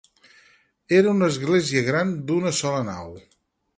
Era una església gran d'una sola nau.